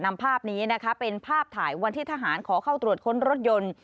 นำภาพนี้นะคะเป็นภาพถ่ายวันที่ทหารขอเข้าตรวจค้นรถยนต์